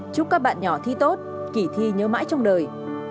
chúc các bạn nhỏ thi tốt kỷ thi nhớ mãi trong đời